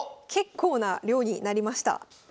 結構な量になりました。